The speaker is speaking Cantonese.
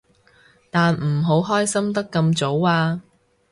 但唔好開心得咁早啊